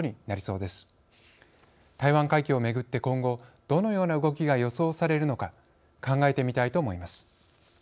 台湾海峡をめぐって今後どのような動きが予想されるのか考えてみたいと思います。